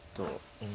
うん。